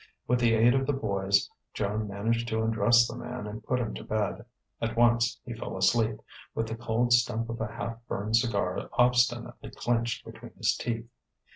With the aid of the boys, Joan managed to undress the man and put him to bed. At once he fell asleep, with the cold stump of a half burned cigar obstinately clenched between his teeth.